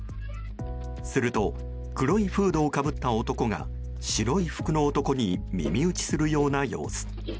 すると黒いフードをかぶった男が白い服の男に耳打ちするような様子。